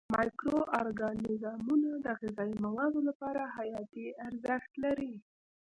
مایکرو ارګانیزمونه د غذایي موادو لپاره حیاتي ارزښت لري.